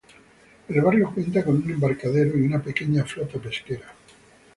El barrio cuenta con un embarcadero y una pequeña flota pesquera.